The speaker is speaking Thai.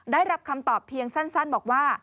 ได้รับคำตอบเพียงสั้นบอกว่า